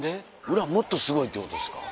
裏もっとすごいってことですか？